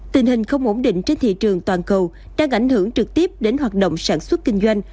tình hình không ổn định trên thị trường toàn cầu đang ảnh hưởng trực tiếp đến hoạt động sản xuất kinh doanh